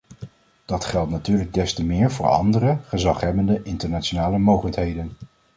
Dat geldt natuurlijk des te meer voor andere, gezaghebbende internationale mogendheden.